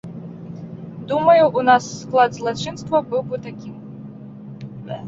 Думаю, у нас склад злачынства быў бы такім.